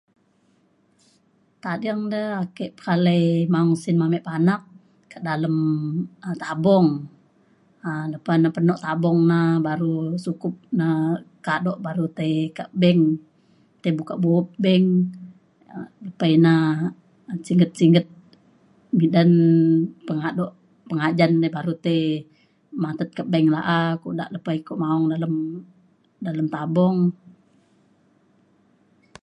Tading da ake pekalei maun sin ame panak ka dalem um tabung um lepa na peno' tabung na baru sukup na kadu' baru tei ka bank tei buka buup bank um tai na singget singget bidan pengaduk pengajan patut tei matet ka bank laah lepa iko nak yang iko maang dalem tabung.